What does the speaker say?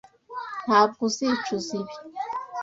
Ntabwo uzicuza ibi.